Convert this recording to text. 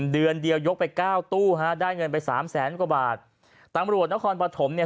เดือนเดียวยกไปเก้าตู้ฮะได้เงินไปสามแสนกว่าบาทตำรวจนครปฐมเนี่ย